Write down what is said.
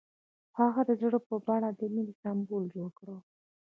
هغه د زړه په بڼه د مینې سمبول جوړ کړ.